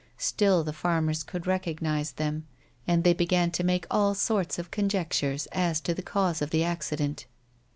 Still the farmers could recognise them, and tliey began to make all sorts of conjectures as to the cause of the accident.